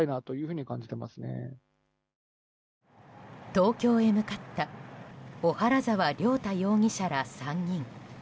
東京へ向かった小原澤亮太容疑者ら３人。